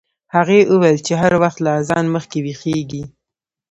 هغې وویل چې هر وخت له اذان مخکې ویښیږي.